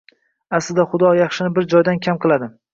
Aslida, xudo yaxshini bir joyidan kam qiladi deganlari rost ekan